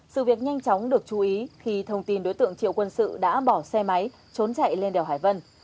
sự việc nhanh chóng được chú ý khi thông tin đối tượng triệu quân sự đã bỏ xe máy trốn chạy lên đèo hải vân